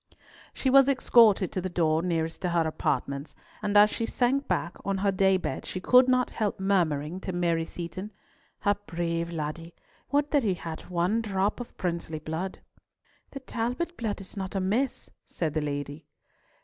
She was escorted to the door nearest to her apartments, and as she sank back on her day bed she could not help murmuring to Mary Seaton, "A brave laddie. Would that he had one drop of princely blood." "The Talbot blood is not amiss," said the lady.